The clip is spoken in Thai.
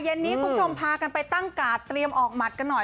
นี้คุณผู้ชมพากันไปตั้งกาดเตรียมออกหมัดกันหน่อย